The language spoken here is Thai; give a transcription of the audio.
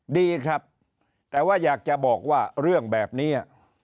ดีครับแต่ว่าอยากจะบอกว่าเรื่องแบบนี้